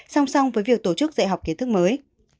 song song với việc tổ chức dạy học kiến thức mới